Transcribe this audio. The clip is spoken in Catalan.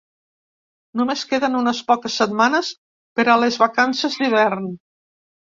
Només queden unes poques setmanes per a les vacances d'hivern!